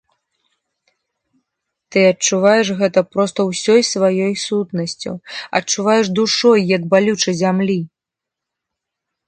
Ты адчуваеш гэта проста ўсёй сваёй сутнасцю, адчуваеш душой, як балюча зямлі.